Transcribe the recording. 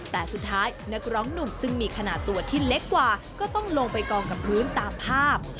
แต่สุดท้ายนักร้องหนุ่มซึ่งมีขนาดตัวที่เล็กกว่าก็ต้องลงไปกองกับพื้นตามภาพ